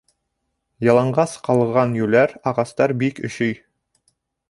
Яланғас ҡалған йүләр ағастар бик өшөй.